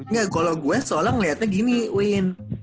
enggak kalau gue seolah ngeliatnya gini win